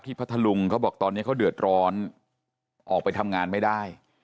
พัทธลุงเขาบอกตอนนี้เขาเดือดร้อนออกไปทำงานไม่ได้